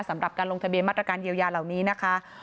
สำหรับการลงทะเบียนมาตรการเยียวยาเหล่านี้นะคะ